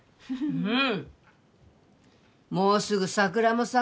うん